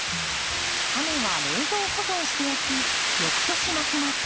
タネは冷蔵保存しておき翌年まきます。